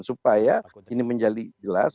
supaya ini menjadi jelas